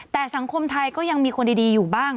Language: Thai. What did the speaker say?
แต่สังคมไทยก็ยังมีคนดีอยู่บ้าง